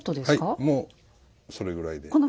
はいもうそれぐらいで。